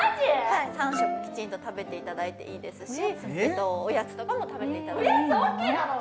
はい３食きちんと食べていただいていいですしおやつとかも食べておやつＯＫなの？